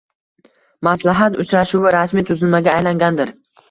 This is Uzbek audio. Maslahat uchrashuvi rasmiy tuzilmaga aylangandir.